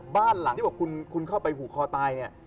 บ้านหลังที่บอกว่าคุณเข้าไปผูกคอตาย